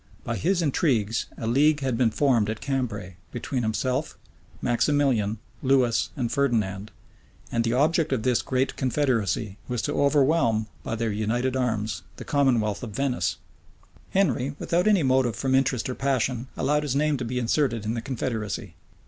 By his intrigues, a league had been formed at Cambray,[*] between himself, Maximilian, Lewis, and Ferdinand; and the object of this great confederacy was to overwhelm, by their united arms, the commonwealth of Venice. * In 1508. Henry, without any motive from interest or passion, allowed his name to be inserted in the confederacy.